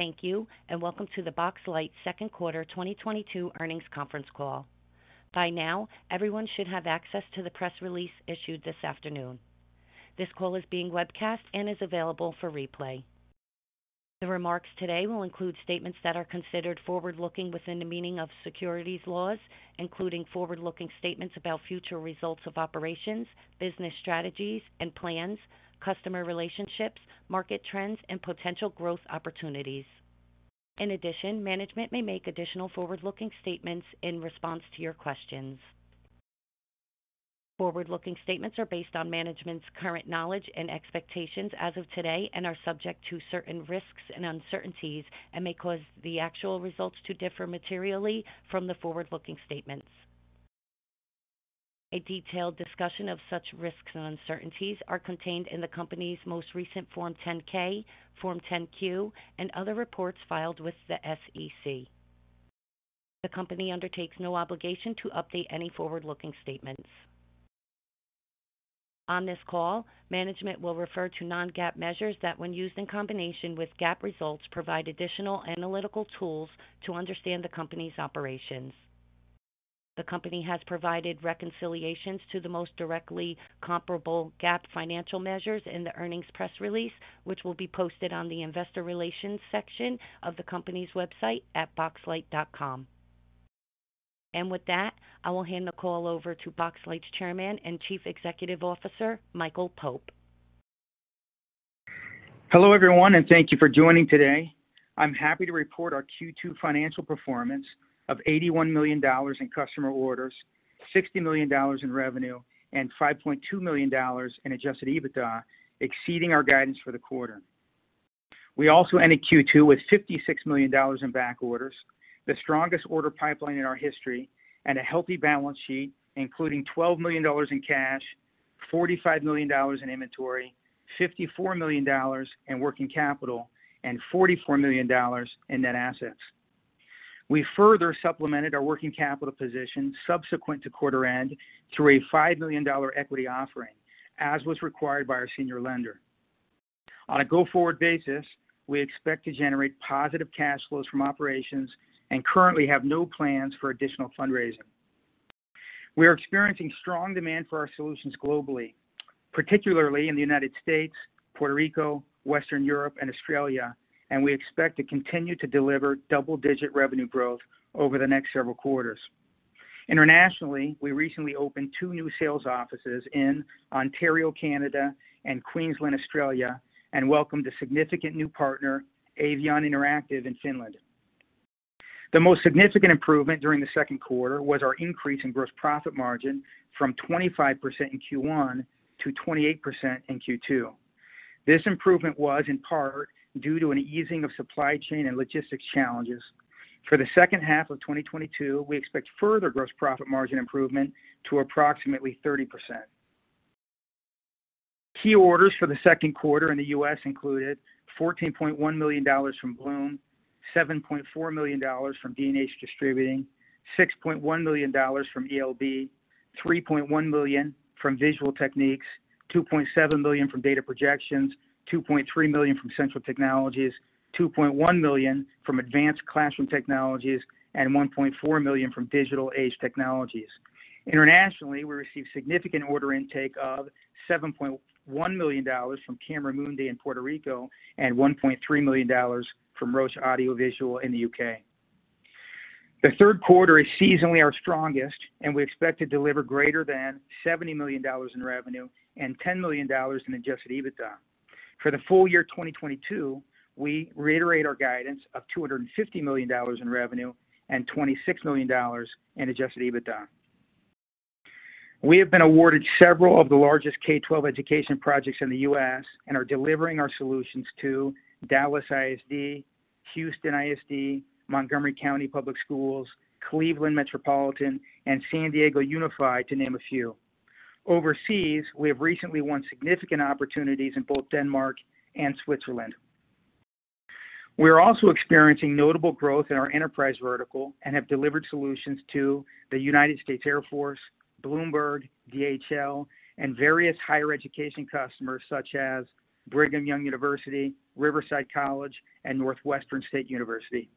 Thank you and welcome to the Boxlight Q2 2022 Earnings Conference Call. By now, everyone should have access to the press release issued this afternoon. This call is being webcast and is available for replay. The remarks today will include statements that are considered forward-looking within the meaning of securities laws, including forward-looking statements about future results of operations, business strategies and plans, customer relationships, market trends, and potential growth opportunities. In addition, management may make additional forward-looking statements in response to your questions. Forward-looking statements are based on management's current knowledge and expectations as of today and are subject to certain risks and uncertainties and may cause the actual results to differ materially from the forward-looking statements. A detailed discussion of such risks and uncertainties are contained in the company's most recent Form 10-K, Form 10-Q, and other reports filed with the SEC. The company undertakes no obligation to update any forward-looking statements. On this call, management will refer to non-GAAP measures that, when used in combination with GAAP results, provide additional analytical tools to understand the company's operations. The company has provided reconciliations to the most directly comparable GAAP financial measures in the earnings press release, which will be posted on the investor relations section of the company's website at boxlight.com. With that, I will hand the call over to Boxlight's Chairman and Chief Executive Officer, Michael Pope. Hello, everyone, and thank you for joining today. I'm happy to report our Q2 financial performance of $81 million in customer orders, $60 million in revenue, and $5.2 million in adjusted EBITDA, exceeding our guidance for the quarter. We also ended Q2 with $56 million in back orders, the strongest order pipeline in our history, and a healthy balance sheet, including $12 million in cash, $45 million in inventory, $54 million in working capital, and $44 million in net assets. We further supplemented our working capital position subsequent to quarter end through a $5 million equity offering, as was required by our senior lender. On a go-forward basis, we expect to generate positive cash flows from operations and currently have no plans for additional fundraising. We are experiencing strong demand for our solutions globally, particularly in the United States, Puerto Rico, Western Europe, and Australia, and we expect to continue to deliver double-digit revenue growth over the next several quarters. Internationally, we recently opened two new sales offices in Ontario, Canada and Queensland, Australia, and welcomed a significant new partner, Avion Interactive, in Finland. The most significant improvement during the Q2 was our increase in gross profit margin from 25% in Q1 to 28% in Q2. This improvement was in part due to an easing of supply chain and logistics challenges. For the H2 of 2022, we expect further gross profit margin improvement to approximately 30%. Key orders for the Q2 in the US included $14.1 million from Bluum, $7.4 million from D&H Distributing, $6.1 million from ELB, $3.1 million from Visual Techniques, $2.7 million from Data Projections, $2.3 million from Central Technologies, $2.1 million from Advanced Classroom Technologies, and $1.4 million from Digital Age Technologies. Internationally, we received significant order intake of $7.1 million from Camera Mundi in Puerto Rico and $1.3 million from Roche Audio Visual in the UK. The Q3 is seasonally our strongest, and we expect to deliver greater than $70 million in revenue and $10 million in adjusted EBITDA. For the Full Year 2022, we reiterate our guidance of $250 million in revenue and $26 million in adjusted EBITDA. We have been awarded several of the largest K-12 education projects in the U.S. and are delivering our solutions to Dallas ISD, Houston ISD, Montgomery County Public Schools, Cleveland Metropolitan, and San Diego Unified, to name a few. Overseas, we have recently won significant opportunities in both Denmark and Switzerland. We are also experiencing notable growth in our enterprise vertical and have delivered solutions to the United States Air Force, Bloomberg, DHL, and various higher education customers such as Brigham Young University, Riverside City College, and Northwestern State University.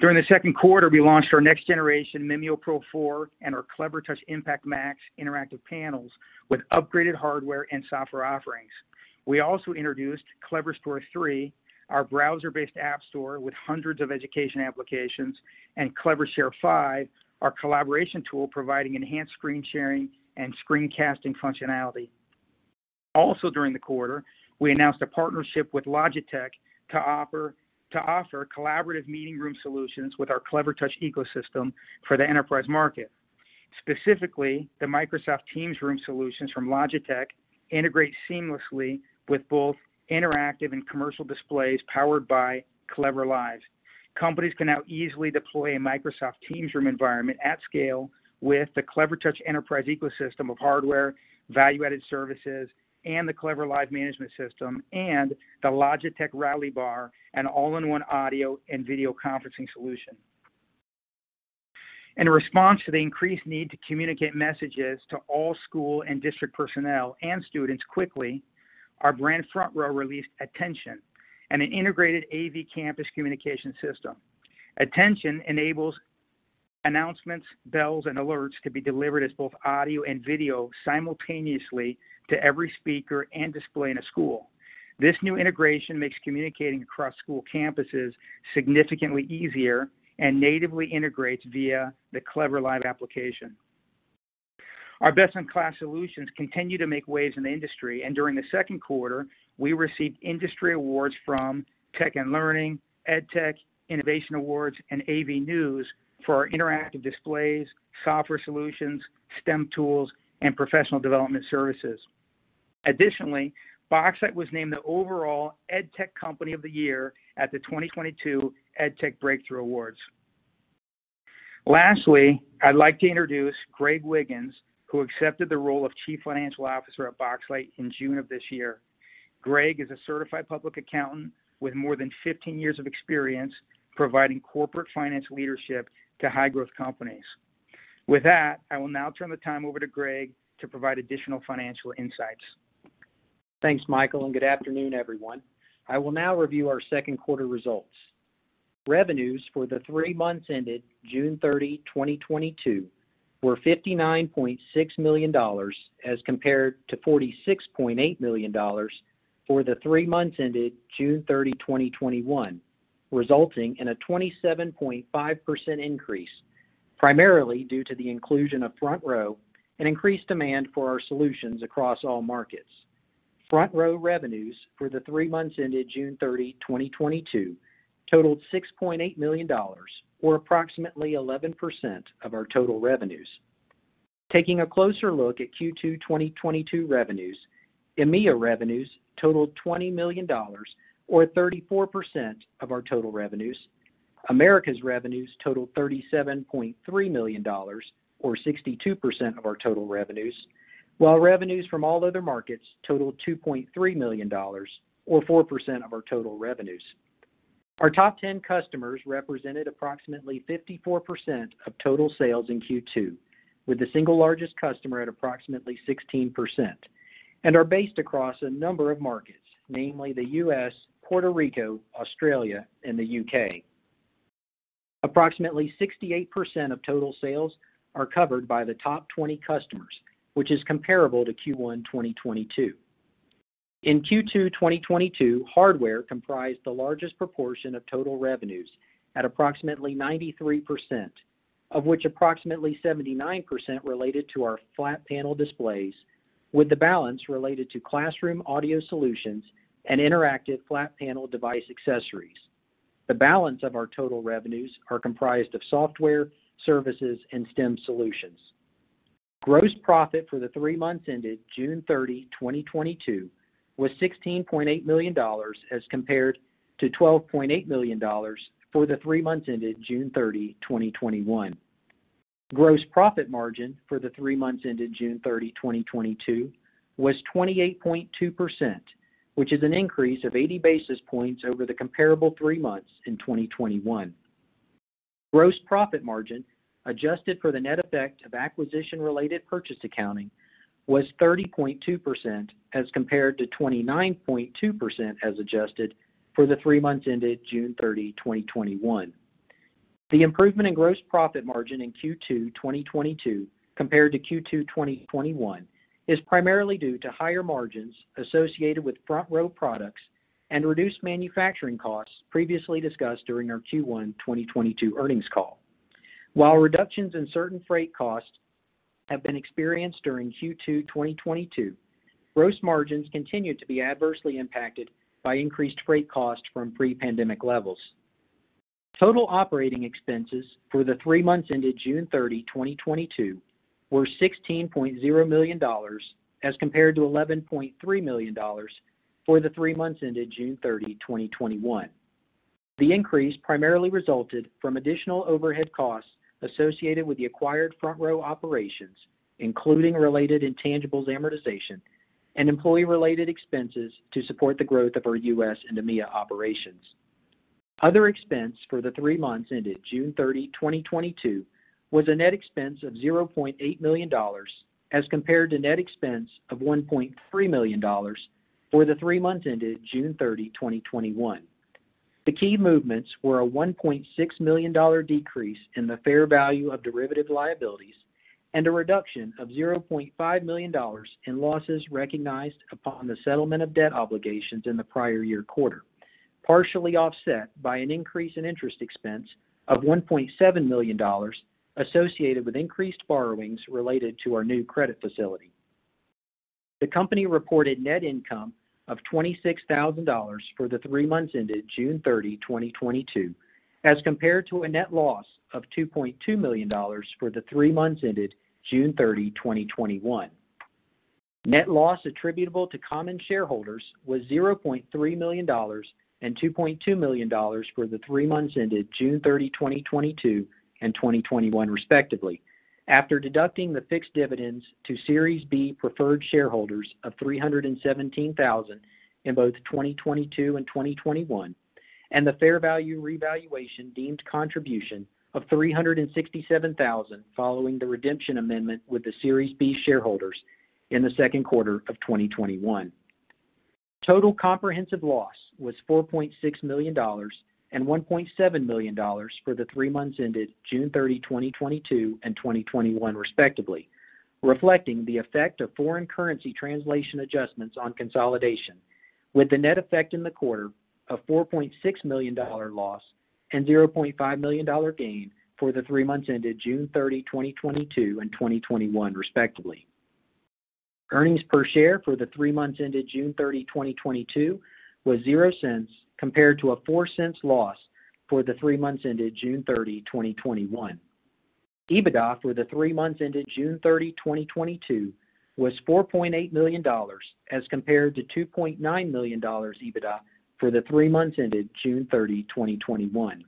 During the Q2, we launched our next generation MimioPro 4 and our Clevertouch IMPACT Max interactive panels with upgraded hardware and software offerings. We also introduced Cleverstore 3, our browser-based app store with hundreds of education applications, and Clevershare 5, our collaboration tool providing enhanced screen sharing and screen casting functionality. Also during the quarter, we announced a partnership with Logitech to offer collaborative meeting room solutions with our Clevertouch ecosystem for the enterprise market. Specifically, the Microsoft Teams Room solutions from Logitech integrate seamlessly with both interactive and commercial displays powered by CleverLive. Companies can now easily deploy a Microsoft Teams Room environment at scale with the Clevertouch enterprise ecosystem of hardware, value-added services, and the CleverLive management system, and the Logitech Rally Bar, an all-in-one audio and video conferencing solution. In response to the increased need to communicate messages to all school and district personnel and students quickly, our brand FrontRow released Attention, an integrated AV campus communication system. Attention enables announcements, bells, and alerts to be delivered as both audio and video simultaneously to every speaker and display in a school. This new integration makes communicating across school campuses significantly easier and natively integrates via the CleverLive application. Our best-in-class solutions continue to make waves in the industry, and during the Q2, we received industry awards from Tech & Learning, EdTech Innovation Awards, and AV News for our interactive displays, software solutions, STEM tools, and professional development services. Additionally, Boxlight was named the overall EdTech Company of the Year at the 2022 EdTech Breakthrough Awards. Lastly, I'd like to introduce Greg Wiggins, who accepted the role of Chief Financial Officer at Boxlight in June of this year. Greg is a certified public accountant with more than 15 years of experience providing corporate finance leadership to high-growth companies. With that, I will now turn the time over to Greg to provide additional financial insights. Thanks, Michael, and good afternoon, everyone. I will now review our Q2 results. Revenues for the three months ended June 30, 2022 were $59.6 million as compared to $46.8 million for the three months ended June 30, 2021, resulting in a 27.5% increase, primarily due to the inclusion of FrontRow and increased demand for our solutions across all markets. FrontRow revenues for the three months ended June 30, 2022 totaled $6.8 million or approximately 11% of our total revenues. Taking a closer look at Q2 2022 revenues, EMEA revenues totaled $20 million or 34% of our total revenues. Americas revenues totaled $37.3 million or 62% of our total revenues, while revenues from all other markets totaled $2.3 million or 4% of our total revenues. Our top 10 customers represented approximately 54% of total sales in Q2, with the single largest customer at approximately 16% and are based across a number of markets, namely the U.S., Puerto Rico, Australia, and the U.K. Approximately 68% of total sales are covered by the top 20 customers, which is comparable to Q1 2022. In Q2 2022, hardware comprised the largest proportion of total revenues at approximately 93%, of which approximately 79% related to our flat panel displays, with the balance related to classroom audio solutions and interactive flat panel device accessories. The balance of our total revenues are comprised of software, services, and STEM solutions. Gross profit for the three months ended June 30, 2022 was $16.8 million as compared to $12.8 million for the three months ended June 30, 2021. Gross profit margin for the three months ended June 30, 2022 was 28.2%, which is an increase of 80 basis points over the comparable three months in 2021. Gross profit margin, adjusted for the net effect of acquisition-related purchase accounting, was 30.2% as compared to 29.2% as adjusted for the three months ended June 30, 2021. The improvement in gross profit margin in Q2 2022 compared to Q2 2021 is primarily due to higher margins associated with FrontRow products and reduced manufacturing costs previously discussed during our Q1 2022 earnings call. While reductions in certain freight costs have been experienced during Q2 2022, gross margins continued to be adversely impacted by increased freight costs from pre-pandemic levels. Total operating expenses for the three months ended June 30, 2022 were $16.0 million as compared to $11.3 million for the three months ended June 30, 2021. The increase primarily resulted from additional overhead costs associated with the acquired FrontRow operations, including related intangibles amortization and employee-related expenses to support the growth of our US and EMEA operations. Other expense for the three months ended June 30, 2022 was a net expense of $0.8 million as compared to net expense of $1.3 million for the three months ended June 30, 2021. The key movements were a $1.6 million decrease in the fair value of derivative liabilities and a reduction of $0.5 million in losses recognized upon the settlement of debt obligations in the prior year quarter, partially offset by an increase in interest expense of $1.7 million associated with increased borrowings related to our new credit facility. The company reported net income of $26,000 for the three months ended June 30, 2022, as compared to a net loss of $2.2 million for the three months ended June 30, 2021. Net loss attributable to common shareholders was $0.3 million and $2.2 million for the three months ended June 30, 2022 and 2021, respectively, after deducting the fixed dividends to Series B preferred shareholders of $317,000 in both 2022 and 2021, and the fair value revaluation deemed contribution of $367,000 following the redemption amendment with the Series B shareholders in the Q2 of 2021. Total comprehensive loss was $4.6 million and $1.7 million for the three months ended June 30, 2022 and 2021 respectively, reflecting the effect of foreign currency translation adjustments on consolidation, with the net effect in the quarter of $4.6 million dollar loss and $0.5 million dollar gain for the three months ended June 30, 2022 and 2021 respectively. Earnings per share for the three months ended June 30, 2022 was $0.00 compared to a $0.04 loss for the three months ended June 30, 2021. EBITDA for the three months ended June 30, 2022 was $4.8 million as compared to $2.9 million EBITDA for the three months ended June 30, 2021.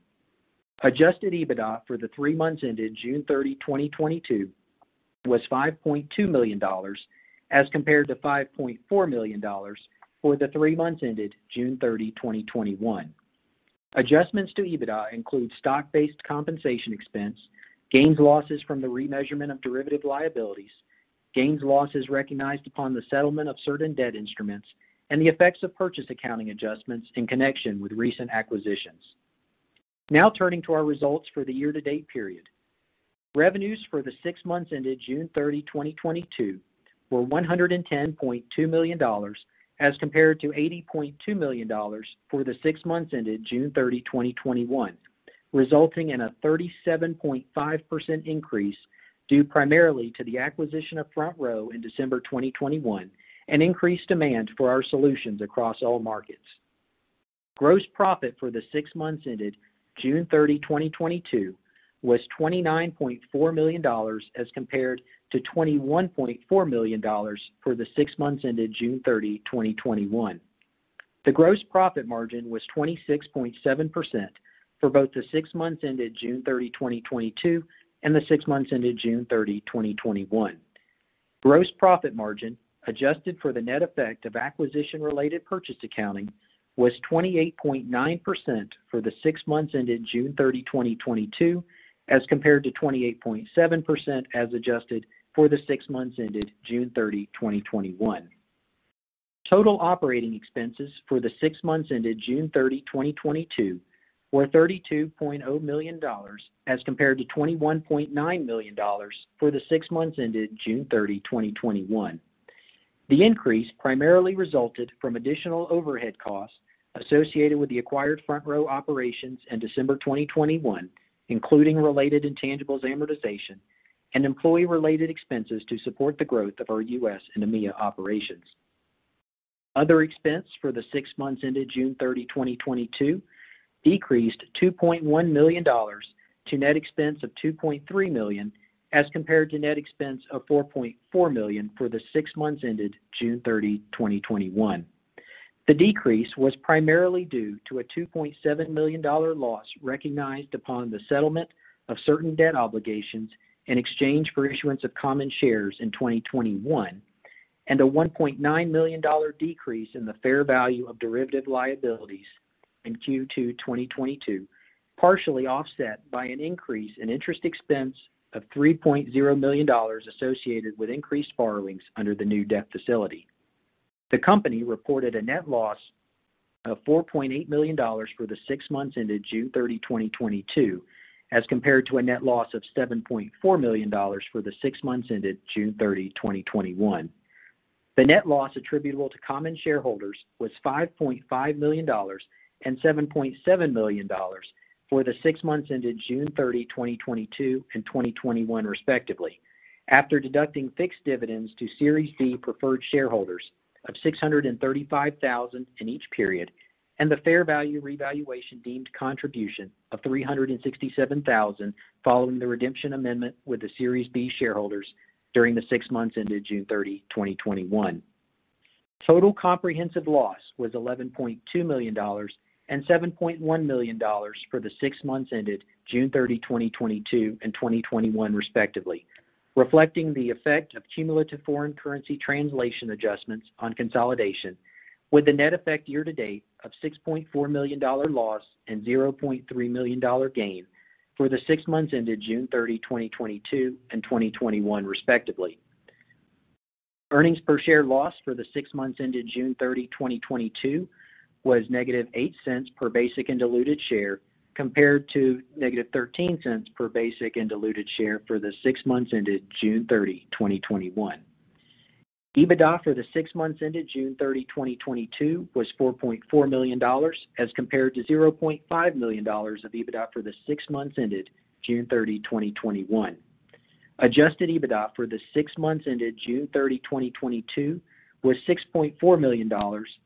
Adjusted EBITDA for the three months ended June 30, 2022 was $5.2 million as compared to $5.4 million for the three months ended June 30, 2021. Adjustments to EBITDA include stock-based compensation expense, gains, losses from the remeasurement of derivative liabilities, gains, losses recognized upon the settlement of certain debt instruments, and the effects of purchase accounting adjustments in connection with recent acquisitions. Now turning to our results for the year-to-date period. Revenues for the six months ended June 30, 2022 were $110.2 million as compared to $80.2 million for the six months ended June 30, 2021, resulting in a 37.5% increase due primarily to the acquisition of FrontRow in December 2021 and increased demand for our solutions across all markets. Gross profit for the six months ended June 30, 2022 was $29.4 million as compared to $21.4 million for the six months ended June 30, 2021. The gross profit margin was 26.7% for both the six months ended June 30, 2022 and the six months ended June 30, 2021. Gross profit margin, adjusted for the net effect of acquisition-related purchase accounting, was 28.9% for the six months ended June 30, 2022, as compared to 28.7% as adjusted for the six months ended June 30, 2021. Total operating expenses for the six months ended June 30, 2022 were $32.0 million as compared to $21.9 million for the six months ended June 30, 2021. The increase primarily resulted from additional overhead costs associated with the acquired FrontRow operations in December 2021, including related intangibles amortization and employee-related expenses to support the growth of our US and EMEA operations. Other expense for the six months ended June 30, 2022 decreased $2.1 million to net expense of $2.3 million as compared to net expense of $4.4 million for the six months ended June 30, 2021. The decrease was primarily due to a $2.7 million loss recognized upon the settlement of certain debt obligations in exchange for issuance of common shares in 2021, and a $1.9 million decrease in the fair value of derivative liabilities in Q2, 2022, partially offset by an increase in interest expense of $3.0 million associated with increased borrowings under the new debt facility. The company reported a net loss of $4.8 million for the six months ended June 30, 2022, as compared to a net loss of $7.4 million for the six months ended June 30, 2021. The net loss attributable to common shareholders was $5.5 million and $7.7 million for the six months ended June 30, 2022 and 2021 respectively, after deducting fixed dividends to Series B preferred shareholders of $635,000 in each period and the fair value revaluation deemed contribution of $367,000 following the redemption amendment with the Series B shareholders during the six months ended June 30, 2021. Total comprehensive loss was $11.2 million and $7.1 million for the six months ended June 30, 2022 and 2021 respectively, reflecting the effect of cumulative foreign currency translation adjustments on consolidation, with the net effect year to date of $6.4 million loss and $0.3 million gain for the six months ended June 30, 2022 and 2021 respectively. Earnings per share loss for the six months ended June 30, 2022 was -$0.08 per basic and diluted share, compared to -$0.13 per basic and diluted share for the six months ended June 30, 2021. EBITDA for the six months ended June 30, 2022 was $4.4 million as compared to $0.5 million of EBITDA for the six months ended June 30, 2021. Adjusted EBITDA for the six months ended June 30, 2022 was $6.4 million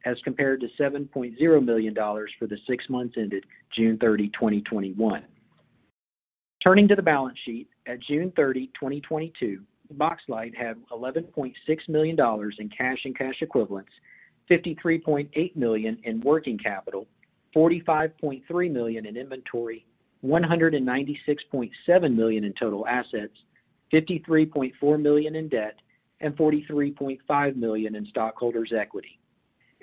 as compared to $7.0 million for the six months ended June 30, 2021. Turning to the balance sheet, at June 30, 2022, Boxlight had $11.6 million in cash and cash equivalents, $53.8 million in working capital, $45.3 million in inventory, $196.7 million in total assets, $53.4 million in debt, and $43.5 million in stockholders' equity.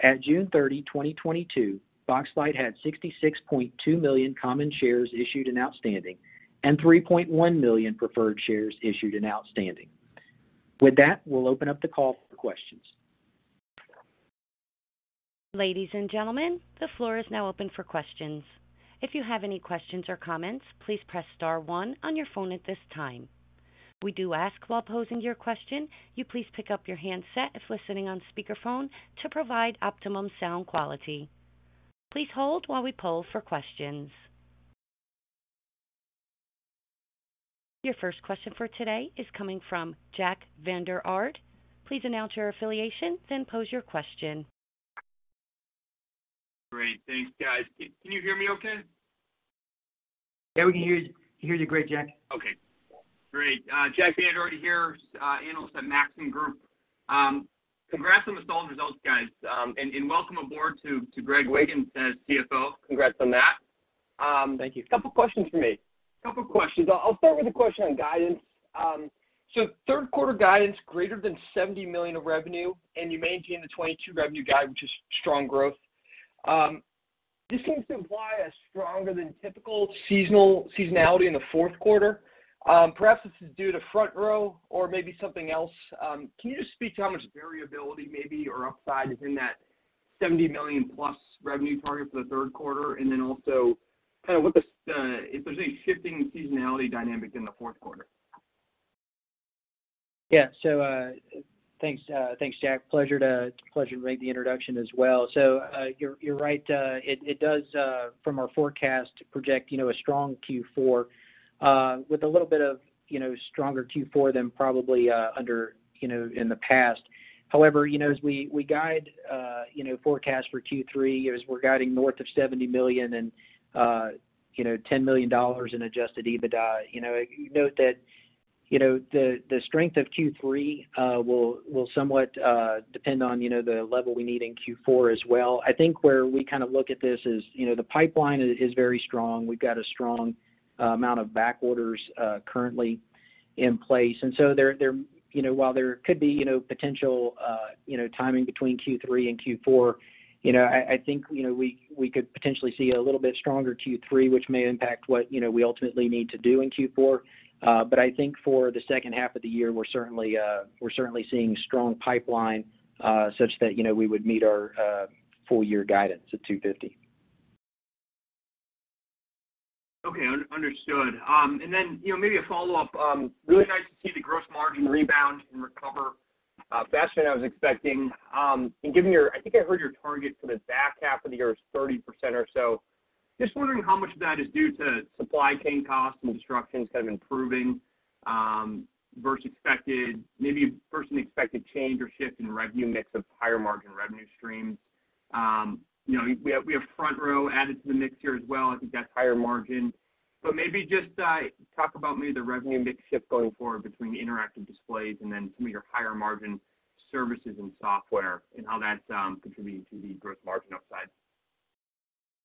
At June 30, 2022, Boxlight had 66.2 million common shares issued and outstanding and 3.1 million preferred shares issued and outstanding. With that, we'll open up the call for questions. Ladies and gentlemen, the floor is now open for questions. If you have any questions or comments, please press star one on your phone at this time. We do ask, while posing your question, you please pick up your handset if listening on speakerphone to provide optimum sound quality. Please hold while we poll for questions. Your first question for today is coming from Jack Vander Aarde. Please announce your affiliation, then pose your question. Great. Thanks, guys. Can you hear me okay? Yeah, we can hear you great, Jack. Okay, great. Jack Vander Aarde here, analyst at Maxim Group. Congrats on the solid results, guys. Welcome aboard to Greg Wiggins as CFO. Congrats on that. Thank you. Couple questions from me. I'll start with a question on guidance. So Q3 guidance greater than $70 million of revenue, and you maintain the 2022 revenue guide, which is strong growth. This seems to imply a stronger than typical seasonality in the Q4. Perhaps this is due to FrontRow or maybe something else. Can you just speak to how much variability maybe or upside is in that $70 million plus revenue target for the Q3? Then, also what if there's any shifting seasonality dynamic in the Q4. Yeah. Thanks, Jack. Pleasure to make the introduction as well. You're right. It does, from our forecast, project a strong Q4 with a little bit of, you know, stronger Q4 than probably what we had, you know, in the past. However, you know, as we guide forecast for Q3, as we're guiding north of $70 million and, you know, $10 million in Adjusted EBITDA. You'll note that, you know, the strength of Q3 will somewhat depend on, you know, the level we need in Q4 as well. I think where we look at this is, you know, the pipeline is very strong. We've got a strong amount of back orders currently in place. There, you know, while there could be, you know, potential timing between Q3 and Q4, you know, I think, you know, we could potentially see a little bit stronger Q3, which may impact what, you know, we ultimately need to do in Q4. I think for the H2 of the year, we're certainly seeing strong pipeline such that, you know, we would meet our Full Year guidance at $250. Okay. Understood. Then, you know, maybe a follow-up. Really nice to see the gross margin rebound and recover faster than I was expecting. Given your—I think I heard your target for the back half of the year is 30% or so. Just wondering how much of that is due to supply chain costs and disruptions improving versus expected, maybe versus an expected change or shift in revenue mix of higher margin revenue streams. You know, we have FrontRow added to the mix here as well. I think that's higher margin, but maybe just talk about maybe the revenue mix shift going forward between the interactive displays and then some of your higher margin services and software and how that's contributing to the gross margin upside.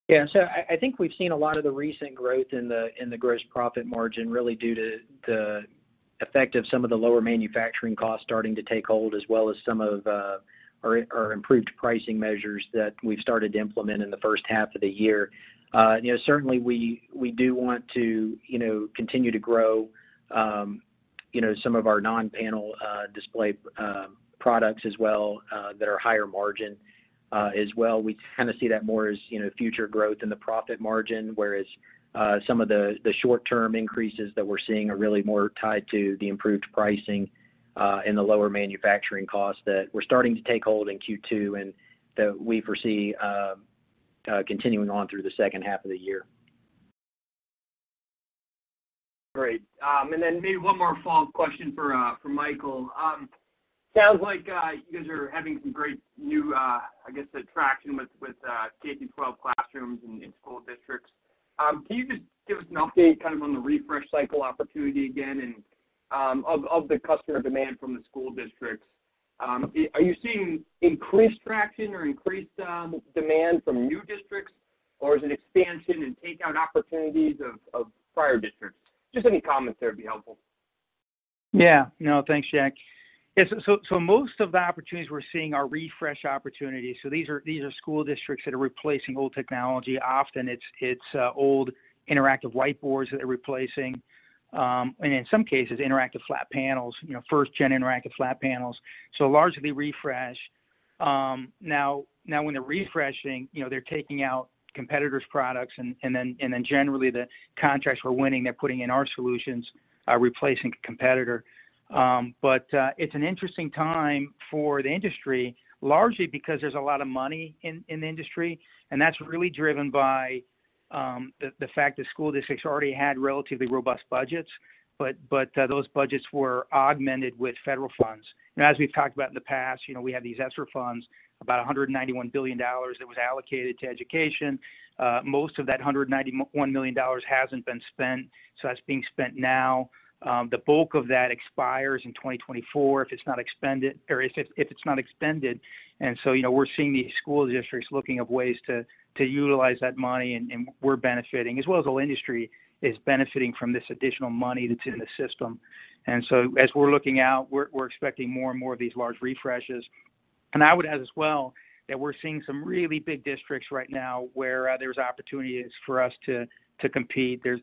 Yeah. I think we've seen a lot of the recent growth in the gross profit margin really due to the effect of some of the lower manufacturing costs starting to take hold as well as some of our improved pricing measures that we've started to implement in the H1 of the year. You know, certainly we do want to continue to grow some of our non-panel display products as well that are higher margin as well. We kinda see that more as, you know, future growth in the profit margin, whereas some of the short term increases that we're seeing are really more tied to the improved pricing and the lower manufacturing costs that we're starting to take hold in Q2 and that we foresee continuing on through the H2 of the year. Great. Then maybe one more follow-up question for Michael. Sounds like you guys are having some great new I guess traction with K-12 classrooms in school districts. Can you just give us an update on the refresh cycle opportunity again and of the customer demand from the school districts? Are you seeing increased traction or increased demand from new districts, or is it expansion and take out opportunities of prior districts? Just any comments there would be helpful. Yeah. No, thanks, Jack. Yes, so most of the opportunities we're seeing are refresh opportunities. These are school districts that are replacing old technology. Often it's old interactive whiteboards that they're replacing, and in some cases, interactive flat panels, you know, first gen interactive flat panels. Largely refresh. Now when they're refreshing, you know, they're taking out competitors' products, and then generally the contracts we're winning, they're putting in our solutions, replacing competitor. It's an interesting time for the industry, largely because there's a lot of money in the industry, and that's really driven by the fact that school districts already had relatively robust budgets, but those budgets were augmented with federal funds. Now, as we've talked about in the past, you know, we had these ESSER funds, about $191 billion that was allocated to education. Most of that $191 billion hasn't been spent, so that's being spent now. The bulk of that expires in 2024 if it's not expended. You know, we're seeing these school districts looking for ways to utilize that money, and we're benefiting, as well as the industry is benefiting from this additional money that's in the system. As we're looking out, we're expecting more and more of these large refreshes. I would add as well that we're seeing some really big districts right now where there's opportunities for us to compete. There's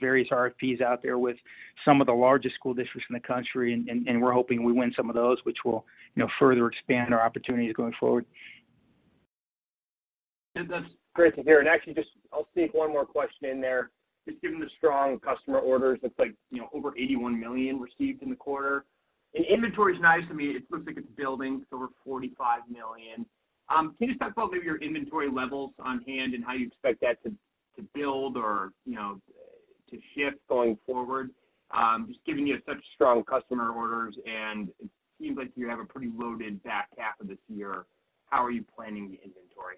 various RFPs out there with some of the largest school districts in the country, and we're hoping we win some of those which will, you know, further expand our opportunities going forward. That's great to hear. Actually just I'll sneak one more question in there. Just given the strong customer orders, it's like, you know, over $81 million received in the quarter. Inventory is nice. I mean, it looks like it's building to over $45 million. Can you just talk about maybe your inventory levels on hand and how you expect that to build or, you know, to shift going forward, just given such strong customer orders, and it seems like you have a pretty loaded back half of this year? How are you planning the inventory?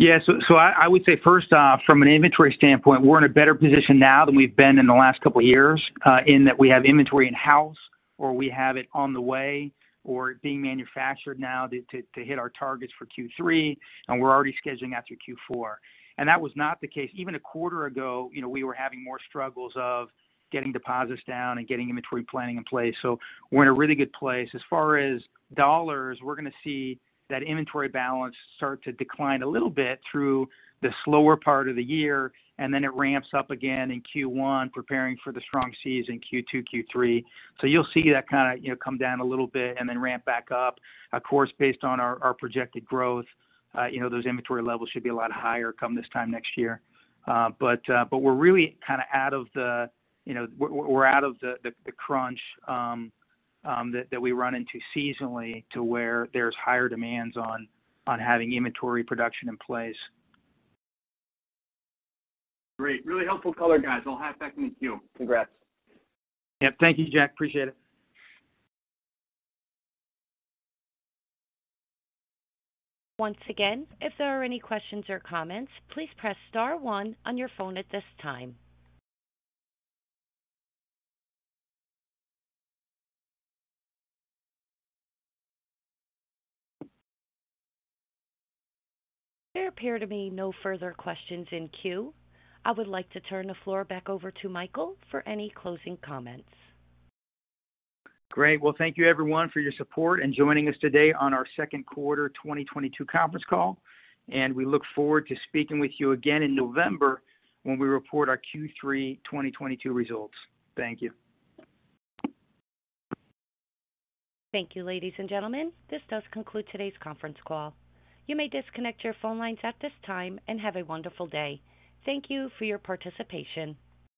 Yeah. I would say first, from an inventory standpoint, we're in a better position now than we've been in the last couple of years, in that we have inventory in-house, or we have it on the way or being manufactured now to hit our targets for Q3, and we're already scheduling out through Q4. That was not the case. Even a quarter ago, you know, we were having more struggles of getting deposits down and getting inventory planning in place. We're in a really good place. As far as dollars, we're going to see that inventory balance start to decline a little bit through the slower part of the year, and then it ramps up again in Q1, preparing for the strong season, Q2, Q3. You'll see that kinda, you know, come down a little bit and then ramp back up. Of course, based on our projected growth, you know, those inventory levels should be a lot higher come this time next year. We're really kinda out of the crunch, you know, that we run into seasonally to where there's higher demands on having inventory production in place. Great. Really helpful color, guys. I'll hop back in the queue. Congrats. Yep. Thank you, Jack. Appreciate it. Once again, if there are any questions or comments, please press star one on your phone at this time. There appear to be no further questions in queue. I would like to turn the floor back over to Michael, for any closing comments. Great. Well, thank you everyone for your support and joining us today on our Q2 2022 conference call. We look forward to speaking with you again in November when we report our Q3 2022 results. Thank you. Thank you, ladies and gentlemen. This does conclude today's conference call. You may disconnect your phone lines at this time and have a wonderful day. Thank you for your participation.